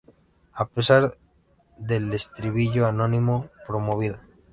A pesar del estribillo anónimo, promovida.